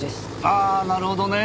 ああなるほどね。